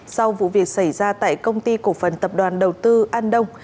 sau vụ việc xảy ra tại công ty cổ phần tập đoàn đầu tư an đông